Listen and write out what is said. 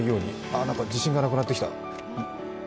ああ自信がなくなってきた。